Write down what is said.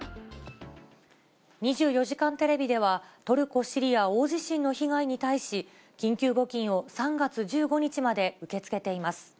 ２４時間テレビでは、トルコ・シリア大地震の被害に対し、緊急募金を３月１５日まで受け付けています。